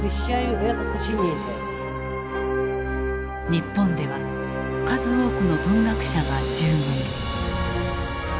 日本では数多くの文学者が従軍。